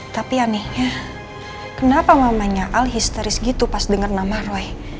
tapi ya nih kenapa mamanya al histeris gitu pas denger nama roy